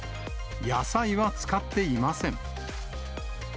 野菜は使っていません。